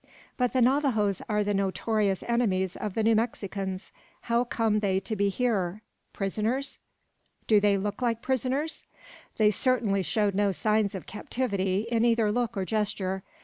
"But the Navajoes are the notorious enemies of the New Mexicans! How come they to be here? Prisoners?" "Do they look like prisoners?" They certainly showed no signs of captivity in either look or gesture.